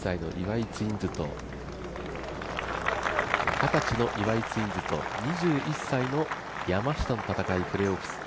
二十歳の岩井ツインズと２１歳の山下の戦い、プレーオフ。